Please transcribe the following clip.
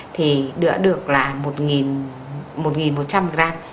thì đỡ được là một một trăm linh gram